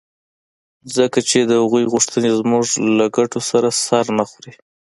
ځکه چې د هغوی غوښتنې زموږ له ګټو سره سر نه خوري.